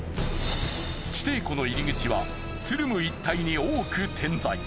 地底湖の入口はトゥルム一帯に多く点在。